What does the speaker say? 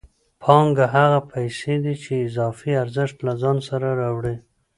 پانګه هغه پیسې دي چې اضافي ارزښت له ځان سره راوړي